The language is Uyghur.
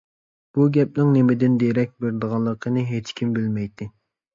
بۇ گەپنىڭ نېمىدىن دېرەك بېرىدىغانلىقىنى ھېچكىم بىلمەيتتى.